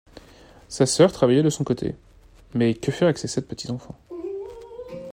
Sa sœur travaillait de son côté, mais que faire avec sept petits enfants?